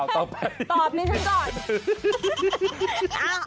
ตอบนี้ฉันก่อน